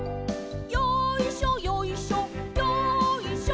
「よいしょよいしょよいしょ」